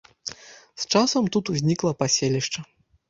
З часам тут узнікла паселішча.